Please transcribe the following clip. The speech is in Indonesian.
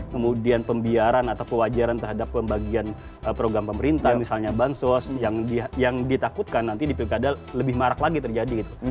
kemudian pembiaran atau pewajaran terhadap pembagian program pemerintah misalnya bansos yang ditakutkan nanti di pilkada lebih marak lagi terjadi gitu